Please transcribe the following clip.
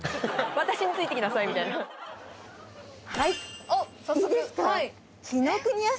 「私についてきなさい」みたいなあっ